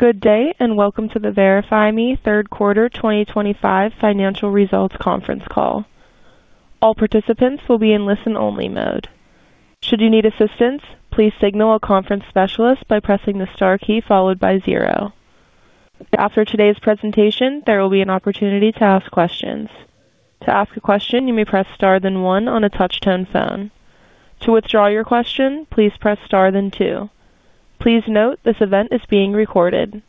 Good day and welcome to the VerifyMe third quarter 2025 financial results conference call. All participants will be in listen-only mode. Should you need assistance, please signal a conference specialist by pressing the star key followed by zero. After today's presentation, there will be an opportunity to ask questions. To ask a question, you may press star then one on a touch-tone phone. To withdraw your question, please press star then two. Please note this event is being recorded.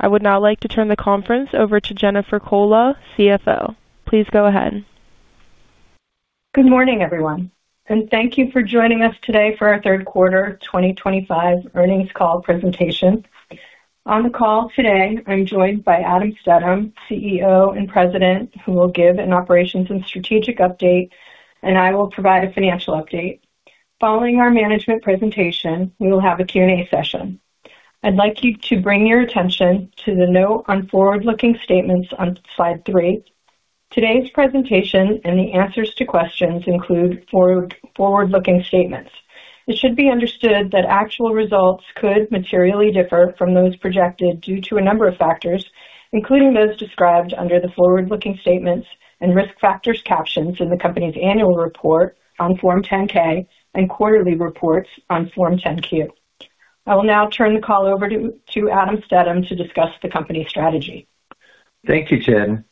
I would now like to turn the conference over to Jennifer Cola, CFO. Please go ahead. Good morning, everyone, and thank you for joining us today for our third quarter 2025 earnings call presentation. On the call today, I'm joined by Adam Stedham, CEO and President, who will give an operations and strategic update, and I will provide a financial update. Following our management presentation, we will have a Q&A session. I'd like you to bring your attention to the note on forward-looking statements on slide three. Today's presentation and the answers to questions include forward-looking statements. It should be understood that actual results could materially differ from those projected due to a number of factors, including those described under the forward-looking statements and risk factors captions in the company's annual report on Form 10-K and quarterly reports on Form 10-Q. I will now turn the call over to Adam Stedham to discuss the company strategy. Thank you, Jen.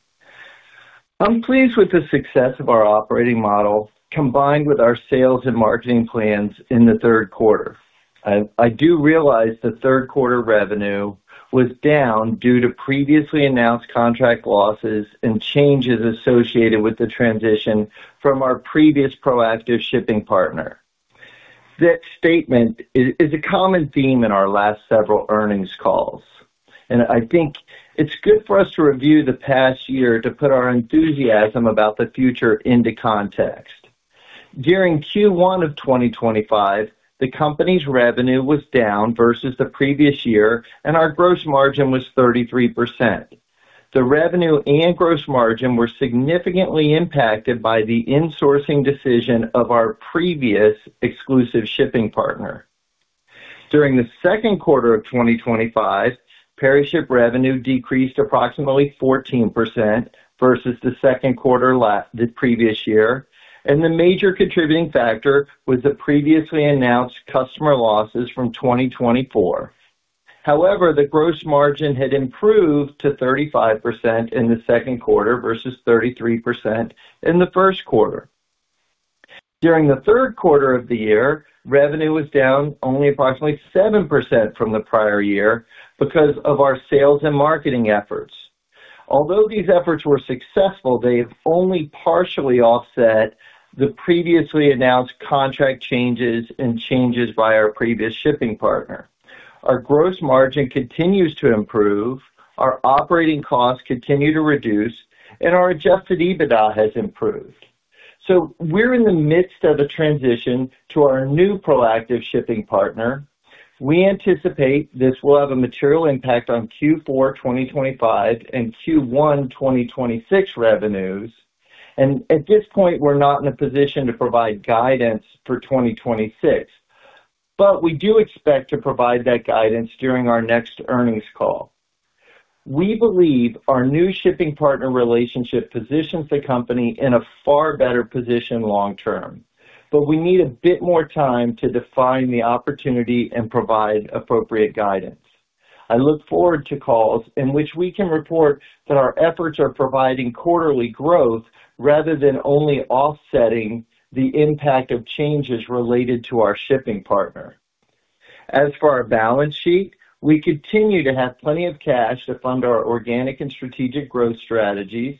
I'm pleased with the success of our operating model combined with our sales and marketing plans in the third quarter. I do realize the third quarter revenue was down due to previously announced contract losses and changes associated with the transition from our previous proactive shipping partner. That statement is a common theme in our last several earnings calls, and I think it's good for us to review the past year to put our enthusiasm about the future into context. During Q1 of 2025, the company's revenue was down versus the previous year, and our gross margin was 33%. The revenue and gross margin were significantly impacted by the insourcing decision of our previous exclusive shipping partner. During the second quarter of 2025, PeriShip revenue decreased approximately 14% versus the second quarter the previous year, and the major contributing factor was the previously announced customer losses from 2024. However, the gross margin had improved to 35% in the second quarter versus 33% in the first quarter. During the third quarter of the year, revenue was down only approximately 7% from the prior year because of our sales and marketing efforts. Although these efforts were successful, they have only partially offset the previously announced contract changes and changes by our previous shipping partner. Our gross margin continues to improve, our operating costs continue to reduce, and our adjusted EBITDA has improved. We are in the midst of a transition to our new proactive shipping partner. We anticipate this will have a material impact on Q4 2025 and Q1 2026 revenues, and at this point, we're not in a position to provide guidance for 2026, but we do expect to provide that guidance during our next earnings call. We believe our new shipping partner relationship positions the company in a far better position long term, but we need a bit more time to define the opportunity and provide appropriate guidance. I look forward to calls in which we can report that our efforts are providing quarterly growth rather than only offsetting the impact of changes related to our shipping partner. As for our balance sheet, we continue to have plenty of cash to fund our organic and strategic growth strategies.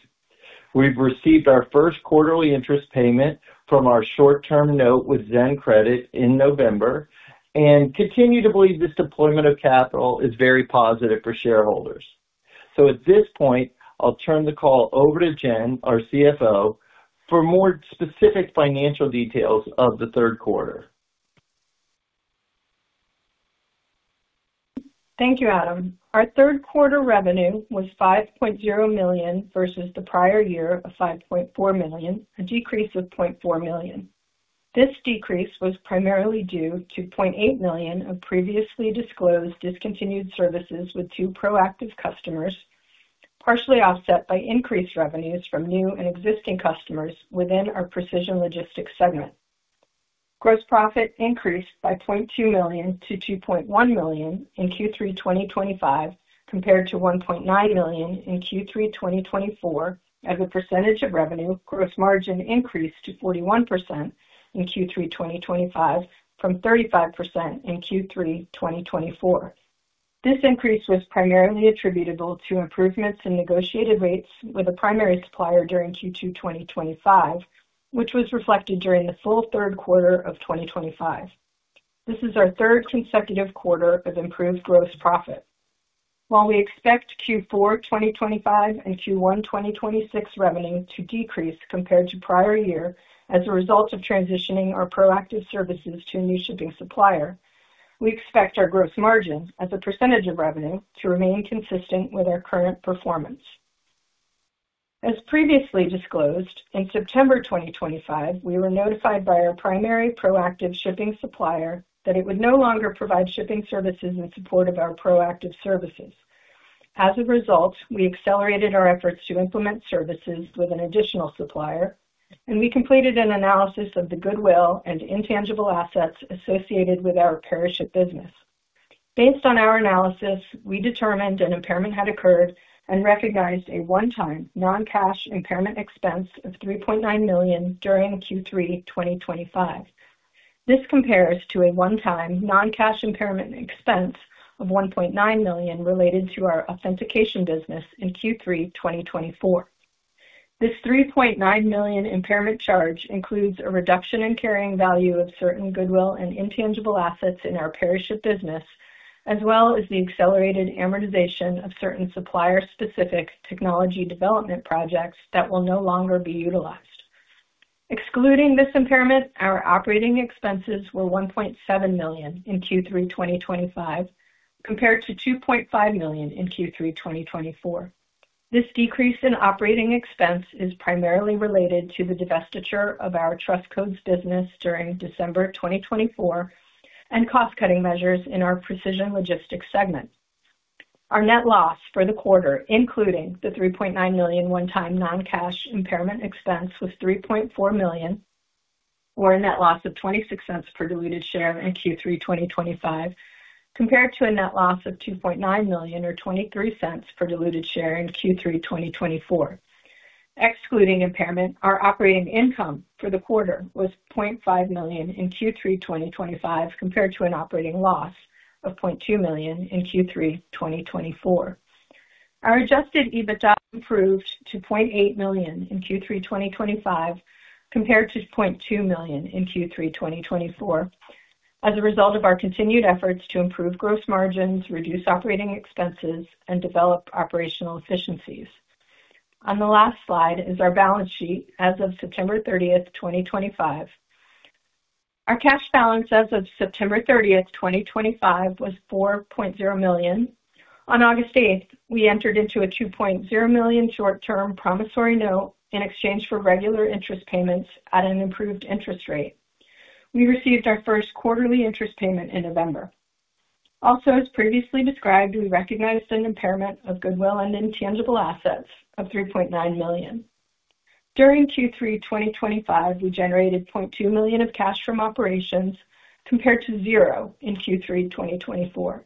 We've received our first quarterly interest payment from our short-term note with ZenCredit in November and continue to believe this deployment of capital is very positive for shareholders. At this point, I'll turn the call over to Jen, our CFO, for more specific financial details of the third quarter. Thank you, Adam. Our third quarter revenue was $5.0 million versus the prior year of $5.4 million, a decrease of $0.4 million. This decrease was primarily due to $0.8 million of previously disclosed discontinued services with two proactive customers, partially offset by increased revenues from new and existing customers within our precision logistics segment. Gross profit increased by $0.2 million to $2.1 million in Q3 2025 compared to $1.9 million in Q3 2024. As a percentage of revenue, gross margin increased to 41% in Q3 2025 from 35% in Q3 2024. This increase was primarily attributable to improvements in negotiated rates with a primary supplier during Q2 2025, which was reflected during the full third quarter of 2025. This is our third consecutive quarter of improved gross profit. While we expect Q4 2025 and Q1 2026 revenue to decrease compared to prior year as a result of transitioning our proactive services to a new shipping supplier, we expect our gross margin as a percentage of revenue to remain consistent with our current performance. As previously disclosed, in September 2025, we were notified by our primary proactive shipping supplier that it would no longer provide shipping services in support of our proactive services. As a result, we accelerated our efforts to implement services with an additional supplier, and we completed an analysis of the goodwill and intangible assets associated with our PeriShip business. Based on our analysis, we determined an impairment had occurred and recognized a one-time non-cash impairment expense of $3.9 million during Q3 2025. This compares to a one-time non-cash impairment expense of $1.9 million related to our authentication business in Q3 2024. This $3.9 million impairment charge includes a reduction in carrying value of certain goodwill and intangible assets in our PeriShip business, as well as the accelerated amortization of certain supplier-specific technology development projects that will no longer be utilized. Excluding this impairment, our operating expenses were $1.7 million in Q3 2025 compared to $2.5 million in Q3 2024. This decrease in operating expense is primarily related to the divestiture of our Trust Codes business during December 2024 and cost-cutting measures in our precision logistics segment. Our net loss for the quarter, including the $3.9 million one-time non-cash impairment expense, was $3.4 million, or a net loss of $0.26 per diluted share in Q3 2025, compared to a net loss of $2.9 million, or $0.23 per diluted share in Q3 2024. Excluding impairment, our operating income for the quarter was $0.5 million in Q3 2025 compared to an operating loss of $0.2 million in Q3 2024. Our adjusted EBITDA improved to $0.8 million in Q3 2025 compared to $0.2 million in Q3 2024 as a result of our continued efforts to improve gross margins, reduce operating expenses, and develop operational efficiencies. On the last slide is our balance sheet as of September 30th, 2025. Our cash balance as of September 30th, 2025, was $4.0 million. On August 8, we entered into a $2.0 million short-term promissory note in exchange for regular interest payments at an improved interest rate. We received our first quarterly interest payment in November. Also, as previously described, we recognized an impairment of goodwill and intangible assets of $3.9 million. During Q3 2025, we generated $0.2 million of cash from operations compared to zero in Q3 2024.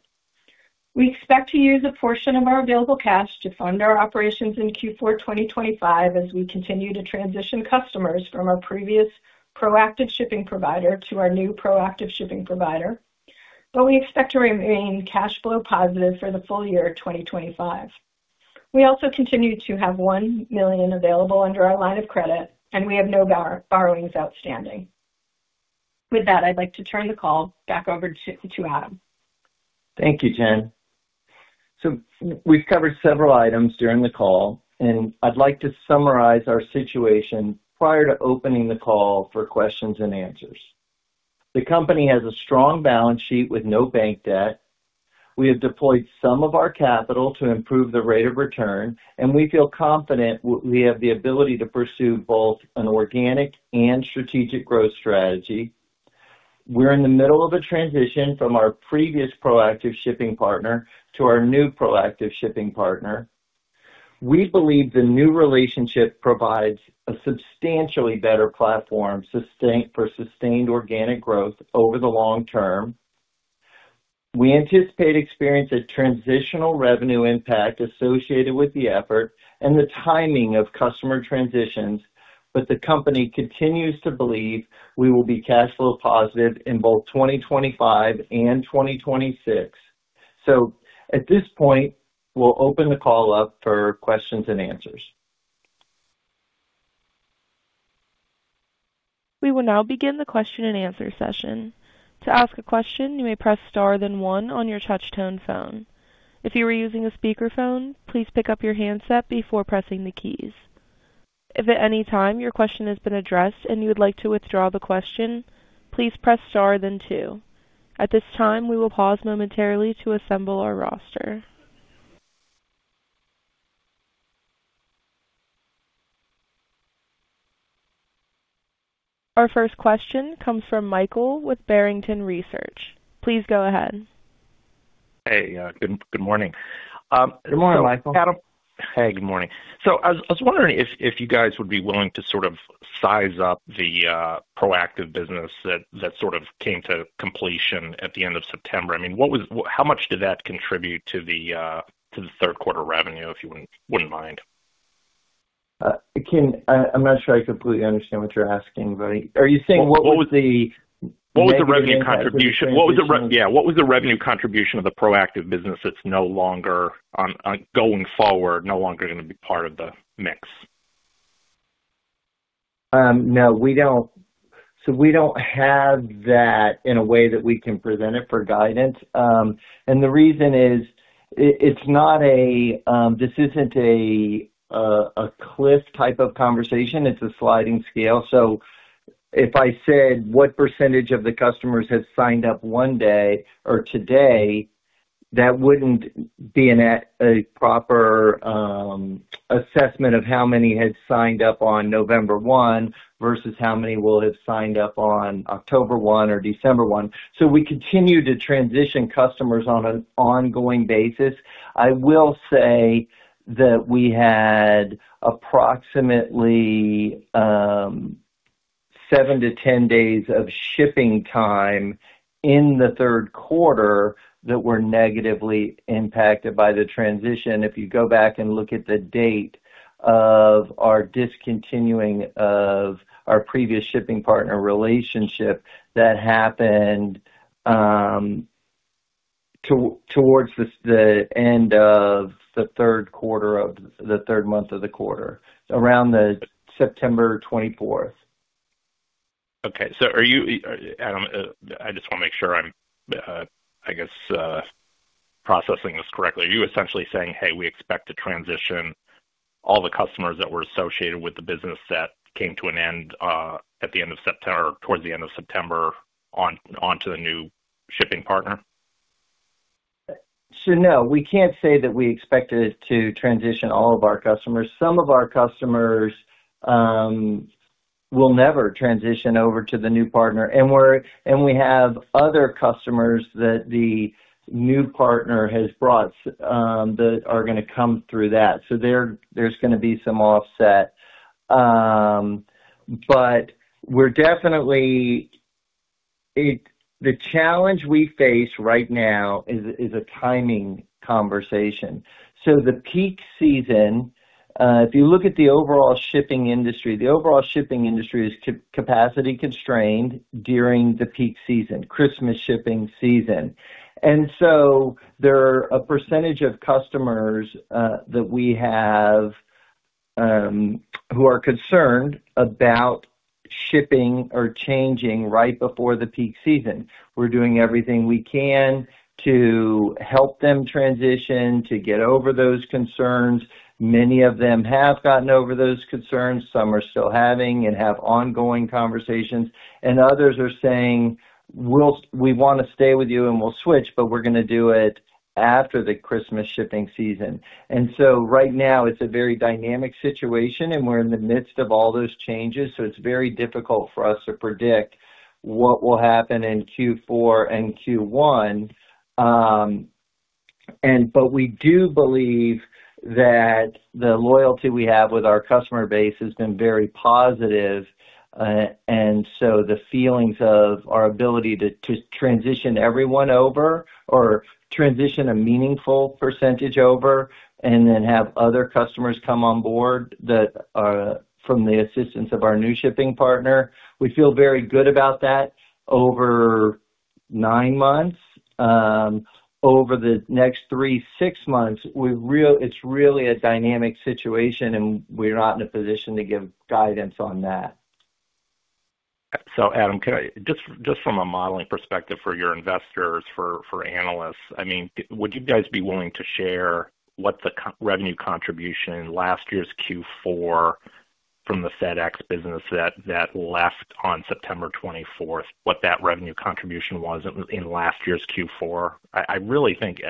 We expect to use a portion of our available cash to fund our operations in Q4 2025 as we continue to transition customers from our previous proactive shipping provider to our new proactive shipping provider, but we expect to remain cash flow positive for the full year of 2025. We also continue to have $1 million available under our line of credit, and we have no borrowings outstanding. With that, I'd like to turn the call back over to Adam. Thank you, Jen. So we've covered several items during the call, and I'd like to summarize our situation prior to opening the call for questions and answers. The company has a strong balance sheet with no bank debt. We have deployed some of our capital to improve the rate of return, and we feel confident we have the ability to pursue both an organic and strategic growth strategy. We're in the middle of a transition from our previous proactive shipping partner to our new proactive shipping partner. We believe the new relationship provides a substantially better platform for sustained organic growth over the long term. We anticipate experiencing a transitional revenue impact associated with the effort and the timing of customer transitions, but the company continues to believe we will be cash flow positive in both 2025 and 2026. At this point, we'll open the call up for questions and answers. We will now begin the question and answer session. To ask a question, you may press star then one on your touch-tone phone. If you are using a speakerphone, please pick up your handset before pressing the keys. If at any time your question has been addressed and you would like to withdraw the question, please press star then two. At this time, we will pause momentarily to assemble our roster. Our first question comes from Michael with Barrington Research. Please go ahead. Hey, good morning. Good morning, Michael. Hey, good morning. I was wondering if you guys would be willing to sort of size up the proactive business that sort of came to completion at the end of September. I mean, how much did that contribute to the third quarter revenue, if you wouldn't mind? I'm not sure I completely understand what you're asking, but are you saying what was the? What was the revenue contribution? Yeah, what was the revenue contribution of the proactive business that's no longer, going forward, no longer going to be part of the mix? No, so we don't have that in a way that we can present it for guidance. The reason is this isn't a cliff type of conversation. It's a sliding scale. If I said what percentage of the customers have signed up one day or today, that wouldn't be a proper assessment of how many had signed up on November 1 versus how many will have signed up on October 1 or December 1. We continue to transition customers on an ongoing basis. I will say that we had approximately seven to 10 days of shipping time in the third quarter that were negatively impacted by the transition. If you go back and look at the date of our discontinuing of our previous shipping partner relationship, that happened towards the end of the third quarter of the third month of the quarter, around September 24. Okay. So Adam, I just want to make sure I'm, I guess, processing this correctly. Are you essentially saying, "Hey, we expect to transition all the customers that were associated with the business that came to an end at the end of September or towards the end of September onto the new shipping partner? No, we can't say that we expected to transition all of our customers. Some of our customers will never transition over to the new partner, and we have other customers that the new partner has brought that are going to come through that. There is going to be some offset. The challenge we face right now is a timing conversation. The peak season, if you look at the overall shipping industry, the overall shipping industry is capacity constrained during the peak season, Christmas shipping season. There are a percentage of customers that we have who are concerned about shipping or changing right before the peak season. We're doing everything we can to help them transition, to get over those concerns. Many of them have gotten over those concerns. Some are still having and have ongoing conversations. Others are saying, "We want to stay with you and we'll switch, but we're going to do it after the Christmas shipping season." Right now, it's a very dynamic situation, and we're in the midst of all those changes, so it's very difficult for us to predict what will happen in Q4 and Q1. We do believe that the loyalty we have with our customer base has been very positive. The feelings of our ability to transition everyone over or transition a meaningful percentage over and then have other customers come on board from the assistance of our new shipping partner, we feel very good about that. Over nine months, over the next three to six months, it's really a dynamic situation, and we're not in a position to give guidance on that. Adam, just from a modeling perspective for your investors, for analysts, I mean, would you guys be willing to share what the revenue contribution last year's Q4 from the FedEx business that left on September 24th, what that revenue contribution was in last year's Q4? I really think,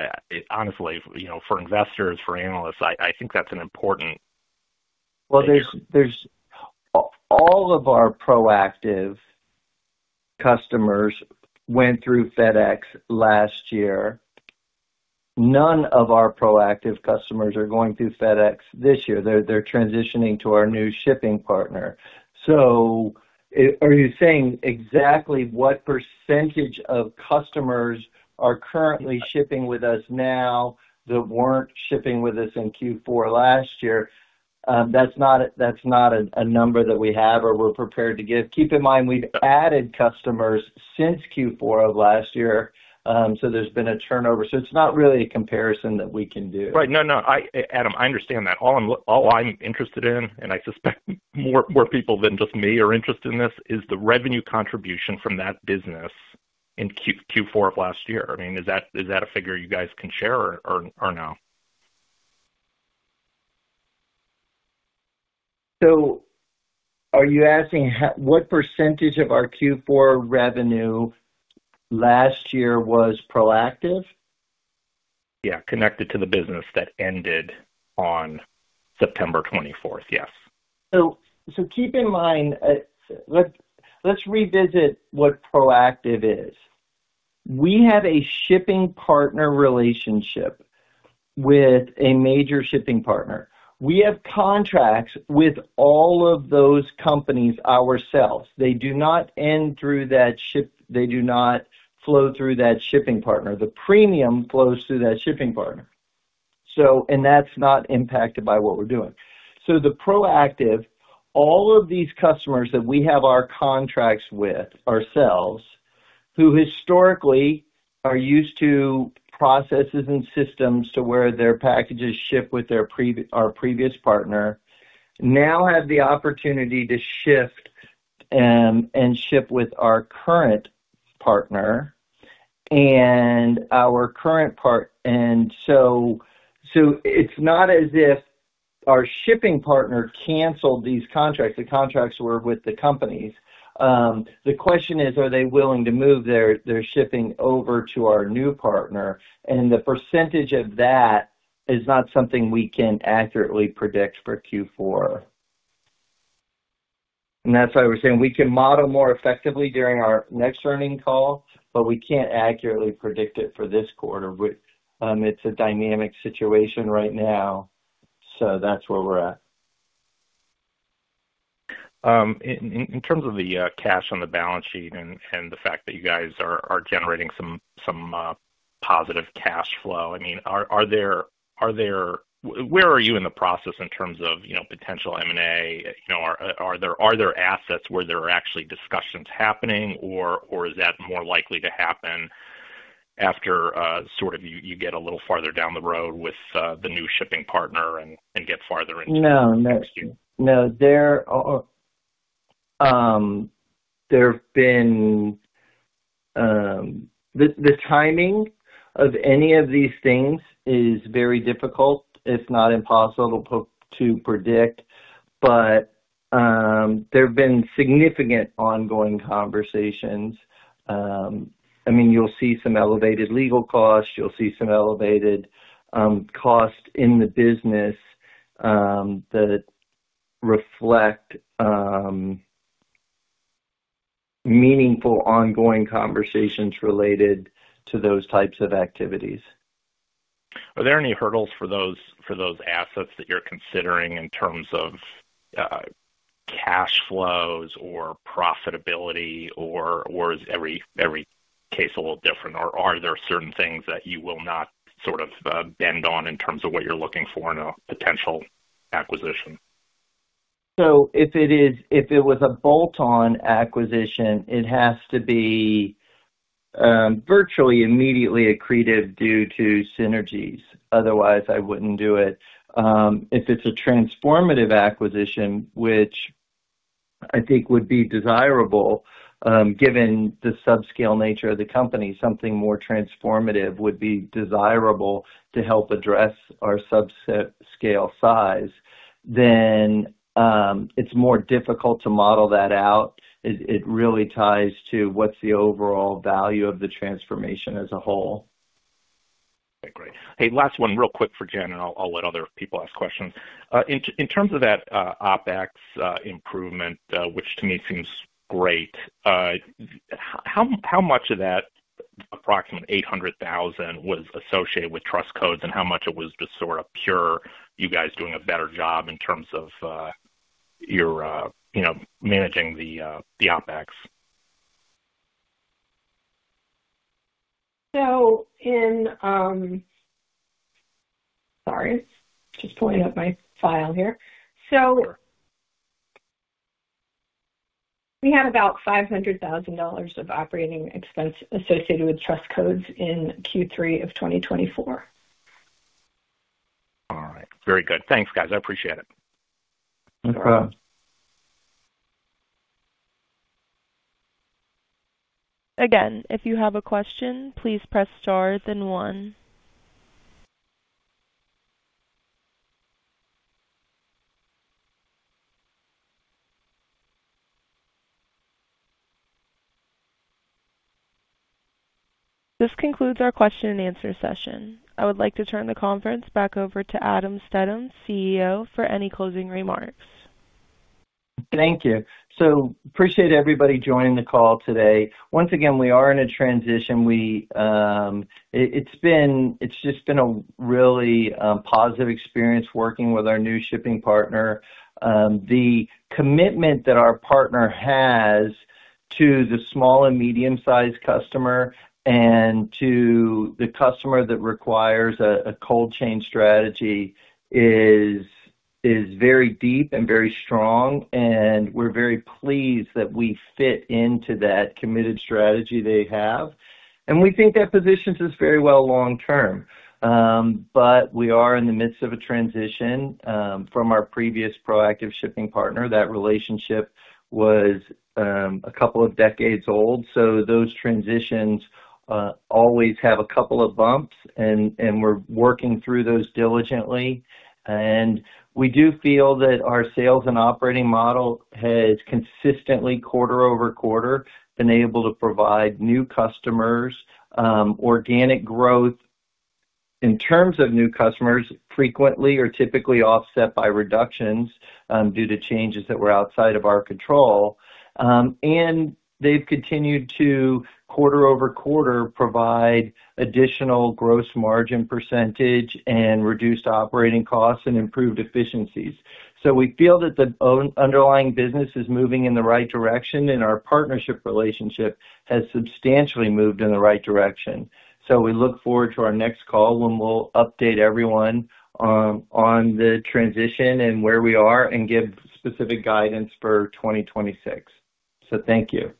honestly, for investors, for analysts, I think that's an important piece. All of our proactive customers went through FedEx last year. None of our proactive customers are going through FedEx this year. They are transitioning to our new shipping partner. Are you saying exactly what percentage of customers are currently shipping with us now that were not shipping with us in Q4 last year? That is not a number that we have or we are prepared to give. Keep in mind, we have added customers since Q4 of last year, so there has been a turnover. It is not really a comparison that we can do. Right. No, no. Adam, I understand that. All I'm interested in, and I suspect more people than just me are interested in this, is the revenue contribution from that business in Q4 of last year. I mean, is that a figure you guys can share or no? Are you asking what percentage of our Q4 revenue last year was proactive? Yeah, connected to the business that ended on September 24, yes. Keep in mind, let's revisit what proactive is. We have a shipping partner relationship with a major shipping partner. We have contracts with all of those companies ourselves. They do not end through that ship; they do not flow through that shipping partner. The premium flows through that shipping partner. That's not impacted by what we're doing. The proactive, all of these customers that we have our contracts with ourselves, who historically are used to processes and systems to where their packages ship with our previous partner, now have the opportunity to shift and ship with our current partner. It's not as if our shipping partner canceled these contracts. The contracts were with the companies. The question is, are they willing to move their shipping over to our new partner? The percentage of that is not something we can accurately predict for Q4. That is why we're saying we can model more effectively during our next earnings call, but we can't accurately predict it for this quarter. It's a dynamic situation right now. That is where we're at. In terms of the cash on the balance sheet and the fact that you guys are generating some positive cash flow, I mean, where are you in the process in terms of potential M&A? Are there assets where there are actually discussions happening, or is that more likely to happen after sort of you get a little farther down the road with the new shipping partner and get farther into the next year? No, no. The timing of any of these things is very difficult, if not impossible, to predict. There have been significant ongoing conversations. I mean, you'll see some elevated legal costs. You'll see some elevated costs in the business that reflect meaningful ongoing conversations related to those types of activities. Are there any hurdles for those assets that you're considering in terms of cash flows or profitability, or is every case a little different? Or are there certain things that you will not sort of bend on in terms of what you're looking for in a potential acquisition? If it was a bolt-on acquisition, it has to be virtually immediately accretive due to synergies. Otherwise, I wouldn't do it. If it's a transformative acquisition, which I think would be desirable given the subscale nature of the company, something more transformative would be desirable to help address our subscale size. Then it's more difficult to model that out. It really ties to what's the overall value of the transformation as a whole. Okay, great. Hey, last one real quick for Jen, and I'll let other people ask questions. In terms of that OpEx improvement, which to me seems great, how much of that, approximately $800,000, was associated with Trust Codes, and how much it was just sort of pure you guys doing a better job in terms of your managing the OpEx? Sorry, just pulling up my file here. So we had about $500,000 of operating expense associated with Trust Codes in Q3 of 2024. All right. Very good. Thanks, guys. I appreciate it. No problem. Again, if you have a question, please press star then one. This concludes our question-and-answer session. I would like to turn the conference back over to Adam Stedham, CEO, for any closing remarks. Thank you. I appreciate everybody joining the call today. Once again, we are in a transition. It's just been a really positive experience working with our new shipping partner. The commitment that our partner has to the small and medium-sized customer and to the customer that requires a cold chain strategy is very deep and very strong. We are very pleased that we fit into that committed strategy they have. We think that positions us very well long-term. We are in the midst of a transition from our previous proactive shipping partner. That relationship was a couple of decades old. Those transitions always have a couple of bumps, and we're working through those diligently. We do feel that our sales and operating model has consistently, quarter-over-quarter, been able to provide new customers, organic growth in terms of new customers, frequently or typically offset by reductions due to changes that were outside of our control. They have continued to, quarter-over-quarter, provide additional gross margin % and reduced operating costs and improved efficiencies. We feel that the underlying business is moving in the right direction, and our partnership relationship has substantially moved in the right direction. We look forward to our next call when we'll update everyone on the transition and where we are and give specific guidance for 2026. Thank you.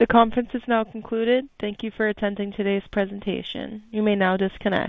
The conference is now concluded. Thank you for attending today's presentation. You may now disconnect.